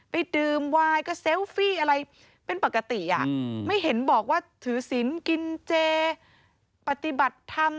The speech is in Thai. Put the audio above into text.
ไปดื่มวายก็เซลฟี่อะไรเป็นปกติอ่ะไม่เห็นบอกว่าถือศิลป์กินเจปฏิบัติธรรม